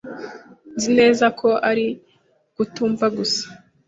Nzi neza ko ari ukutumva gusa.